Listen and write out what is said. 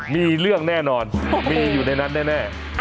มีเรื่องแน่นอนมีอยู่ในนั้นแน่